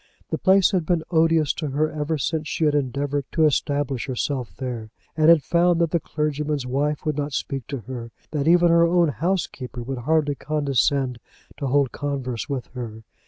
The place had been odious to her ever since she had endeavoured to establish herself there and had found that the clergyman's wife would not speak to her, that even her own housekeeper would hardly condescend to hold converse with her.